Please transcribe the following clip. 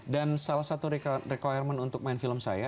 dan salah satu requirement untuk main film saya